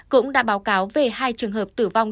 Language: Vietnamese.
cũng đã báo cáo về hai trường hợp tử vong